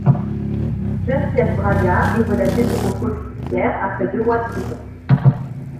Geneviève Braga est relâchée sous contrôle judiciaire après deux mois de prison.